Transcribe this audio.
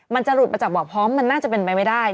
มันจะหลุดมาจากบ่อพร้อมมันน่าจะเป็นไปไม่ได้